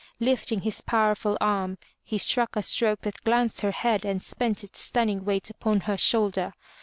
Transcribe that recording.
Lifting his powerful arm, he struck a stroke that glanced her head and spent its stunning weight upon her shoulder.